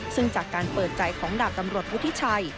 ซึ่งจากการเปิดใจของดาบตำรวจวุฒิชัย